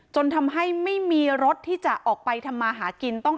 จนทำให้ไม่มีรถที่จะออกไปทำมาหากิน